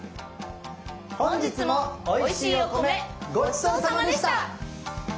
本日もおいしいお米ごちそうさまでした。